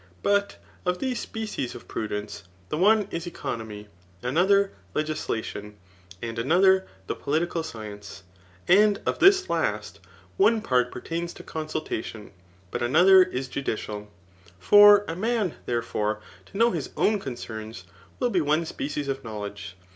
But of these species of pru* dence, the one is economy, another legislation, and ano ther the political science; and of this last, one part pertains to consultation, but anothg* is judicial. For a man, therefore, to know his own concerns will be on^ species of knowledge.